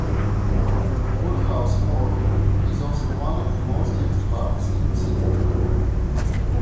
Woodhouse Moor is also one of the most used parks in the city.